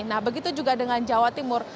nah begitu juga dengan jawa timur